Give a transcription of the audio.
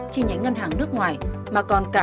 chi nhánh ngân hàng nước ngoài mà còn cả